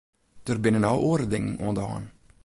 Der binne no oare dingen oan de hân.